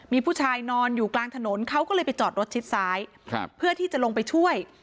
มีผู้ชายนอนอยู่กลางถนนเขาก็เลยไปจอดรถชิดซ้ายเพื่อที่จะลงไปช่วย